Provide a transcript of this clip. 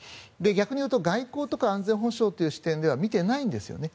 逆に言うと外交、安全保障という視点では見てないんですね。